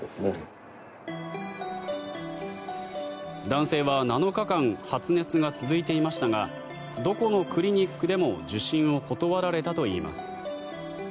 男性は７日間、発熱が続いていましたがどこのクリニックでも受診を断られたといいます。